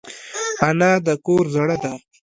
انا د کور زړه ده